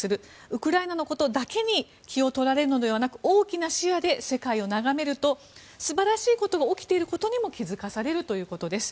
ウクライナのことだけに気を取られるのではなく大きな視野で世界を眺めると素晴らしいことが起きていることにも気づかされるということです。